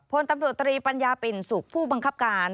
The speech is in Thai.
พลตำรวจตรีปัญญาปิ่นสุขผู้บังคับการ